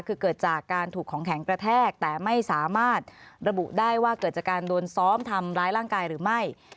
คือเกิดจากการถูกของแข็งกระแทกแต่ไม่สามารถระบุได้ว่าเกิดจากการโดนซ้อมทำร้ายร่างกายหรือไม่